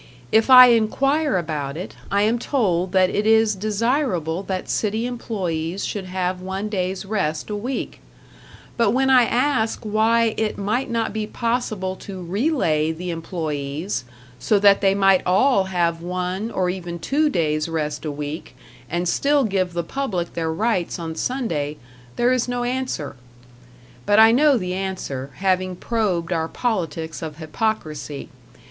If I enquire about it, I am told that it is desirable that city employees should have one day's rest a week; but when I ask why it might not be possible to relay the employees, so that they might all have one, or even two days' rest a week, and still give the public their rights on Sunday, there is no answer. But I know the answer, having probed our politics of hypocrisy.